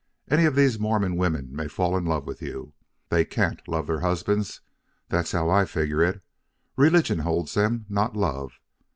Any of these Mormon women may fall in love with you. They CAN'T love their husbands. That's how I figure it. Religion holds them, not love.